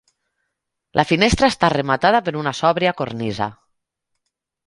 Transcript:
La finestra està rematada per una sòbria cornisa.